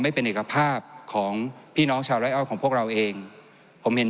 ไม่เป็นเอกภาพของพี่น้องชาวไร้อ้อยของพวกเราเองผมเห็น